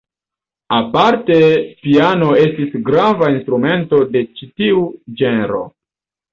Aparte piano estis grava instrumento de ĉi tiu ĝenro.